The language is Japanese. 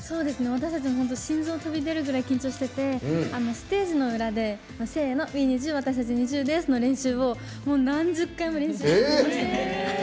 私たちも心臓飛び出るぐらい緊張しててステージの裏で「せーの私たちＮｉｚｉＵです」の練習を何十回も練習してました。